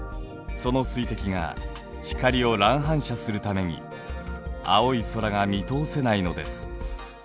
その水滴が光を乱反射するために青い空が見通せないのです。